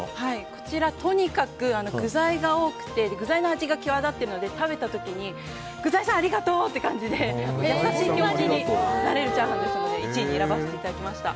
こちら、とにかく具材が多くて具材の味が際立っているので食べた時に具材さんありがとう！って感じで優しい気持ちになれるチャーハンですので１位に選ばせていただきました。